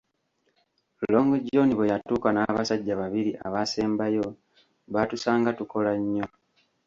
Long John bwe yatuuka n'abasajja babiri abaasembayo, baatusanga tukola nnyo.